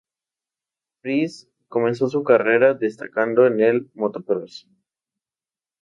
Price comenzó su carrera destacando en el motocross.